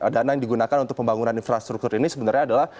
dana yang digunakan untuk pembangunan infrastruktur ini sebenarnya adalah